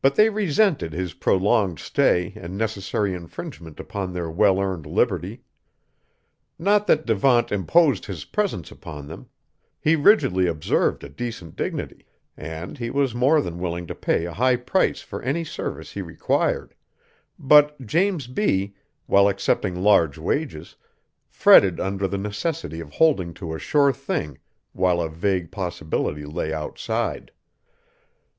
But they resented his prolonged stay and necessary infringement upon their well earned liberty. Not that Devant imposed his presence upon them he rigidly observed a decent dignity and he was more than willing to pay a high price for any service he required; but James B., while accepting large wages, fretted under the necessity of holding to a sure thing, while a vague possibility lay outside.